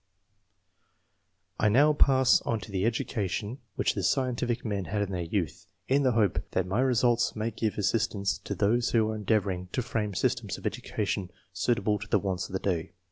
I NOW pass on to the education whicli the scientific men had in their youth, in the hope that my results may give assistance to those who are endeavouring to firame systems of education suitable to the wants of the day.